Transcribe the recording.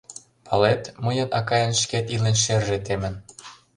Палет, мыйын акайын шкет илен шерже темын.